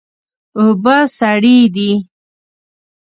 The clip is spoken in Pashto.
اوبه سړې دي